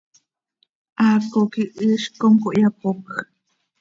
Haaco quih iizc com cohyapocj.